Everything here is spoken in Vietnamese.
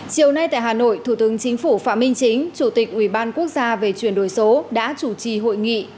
chiều nay tại hà nội thủ tướng chính phủ phạm minh chính chủ tịch ubnd về chuyển đổi số đã chủ trì hội nghị